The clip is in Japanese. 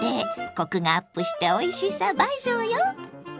コクがアップしておいしさ倍増よ！